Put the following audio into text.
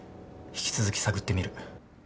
引き続き探ってみる。